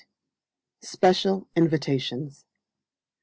Special Invitations.